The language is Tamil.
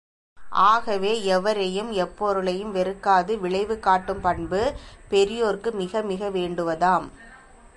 ஆகவே, எவரையும், எப்பொருளையும் வெறுக்காது விழைவு காட்டும் பண்பு, பெரியோர்க்கு மிக மிக வேண்டுவதாம்.